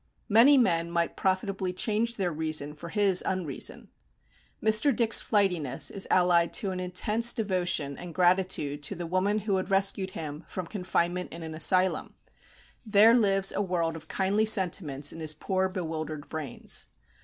Many men might profitably change their reason for his unreason. Mr. Dick's flightiness is allied to an intense devotion and gratitude to the woman who had rescued him from confinement in an asylum; there lives a world of kindly sentiments in his poor bewildered brains.